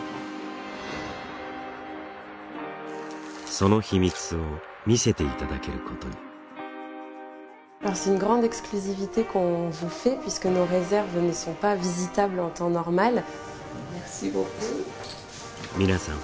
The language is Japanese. その秘密を見せていただけることに皆さん